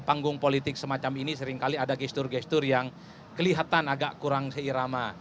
panggung politik semacam ini seringkali ada gestur gestur yang kelihatan agak kurang seirama